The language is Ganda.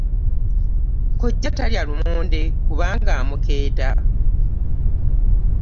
Kojja talya lumonde kubanga amukeeta.